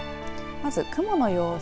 まず雲の様子。